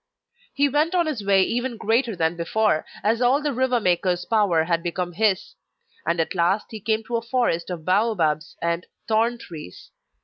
He went on his way even greater than before, as all the river maker's power had become his; and at last he came to a forest of bao babs and thorn trees.